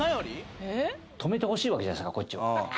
止めてほしいわけじゃないですかこっちは。